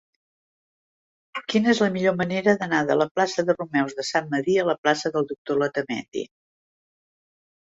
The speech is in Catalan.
Quina és la millor manera d'anar de la plaça dels Romeus de Sant Medir a la plaça del Doctor Letamendi?